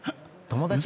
「友達」？